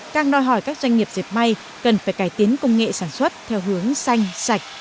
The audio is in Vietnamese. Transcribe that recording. càng đòi hỏi các doanh nghiệp dẹp may cần phải cải tiến công nghệ sản xuất theo hướng xanh sạch